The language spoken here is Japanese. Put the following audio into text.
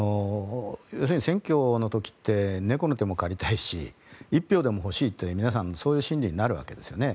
要するに選挙の時って猫の手も借りたいし１票でも欲しいという皆さんそういう心理になるんですよね。